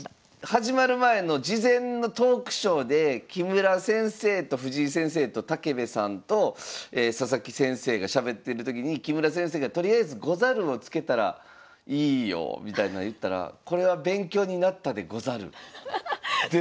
始まる前の事前のトークショーで木村先生と藤井先生と竹部さんと佐々木先生がしゃべってる時に木村先生が「とりあえず『ござる』をつけたらいいよ」みたいな言ったら「これは勉強になったでござる」で